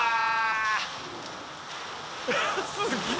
すげえ！